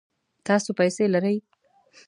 تاسو پیسې لرئ؟